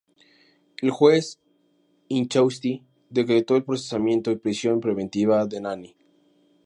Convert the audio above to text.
El juez Inchausti decretó el procesamiento y prisión preventiva de Nani.